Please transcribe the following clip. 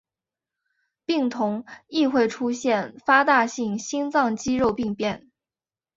病童亦会出现发大性心脏肌肉病变。